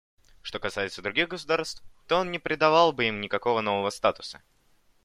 Что касается других государств, то он не придавал бы им никакого нового статуса.